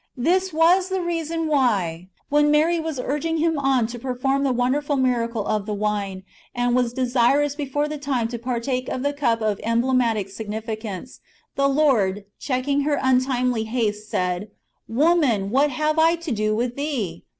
This was the reason why, when Mary was urging [Him] on to [perform] the wonderful miracle of the wine, and w^as desirous before the time to partake^ of the cup of emblematic significance, the Lord, checking her untimely haste, said, " Woman, what have I to do with thee